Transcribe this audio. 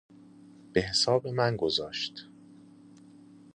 بحساب من گذاشت